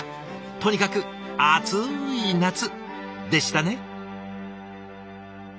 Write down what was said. とにかく熱い夏でしたね！